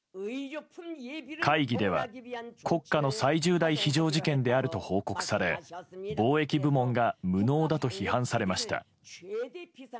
会議では国家の最重大非常事件であると報告され防疫部門が無能だと批判されました。